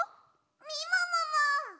みももも！